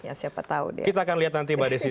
kita akan lihat nanti mbak desi